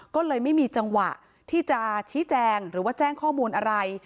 ก็เลยไม่มีจังหวะที่จะชี้แจงหรือว่าแจ้งข้อมูลอะไร